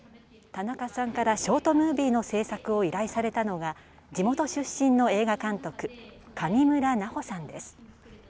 田中さんからショートムービーの制作を依頼されたのが地元出身の映画監督、上村奈帆さんです。